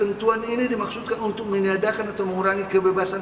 ketentuan ini dimaksudkan untuk menyadarkan atau mengurangi kebebasan